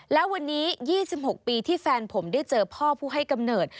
และวันนี้๒๖ปีที่แฟนผมได้เจอพ่อผู้ให้กำเนิด